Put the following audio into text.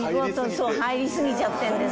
そう入りすぎちゃってるんです。